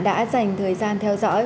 đã dành thời gian theo dõi